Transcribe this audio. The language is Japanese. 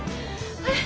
あれ？